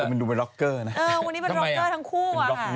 มันดูเป็นล็อกเกอร์นะวันนี้เป็นล็อกเกอร์ทั้งคู่อ่ะ